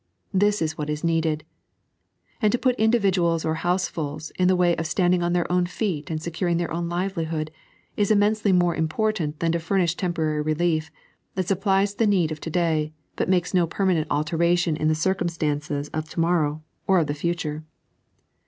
This is what is needed ; and to put individuals or housefuls in the way of standing upon their own feet and securing their own livelihood, is immensely more important than to furnish temporary relief, that supplies the need of to day, but makes no permanent alteration in the circumstances of to morrow or of the future.